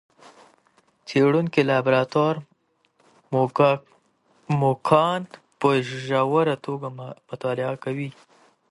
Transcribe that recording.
څېړونکي د لابراتوار موږکان په ژوره توګه مطالعه کوي.